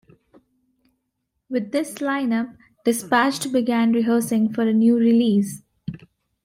With this lineup, Dispatched began rehearsing for a new release.